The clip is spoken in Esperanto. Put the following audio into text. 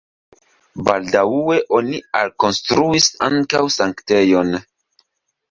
Baldaŭe oni alkonstruis ankaŭ sanktejon.